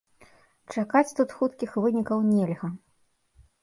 Чакаць тут хуткіх вынікаў нельга.